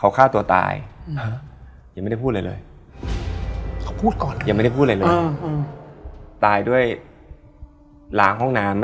เออที่มันเป็นอย่างนั้นอ่ะ